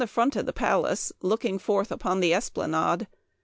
was in front of the palace, looking forth upon the esplanade.